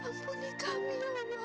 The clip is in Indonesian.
ampuni kami ya allah